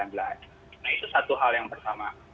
nah itu satu hal yang pertama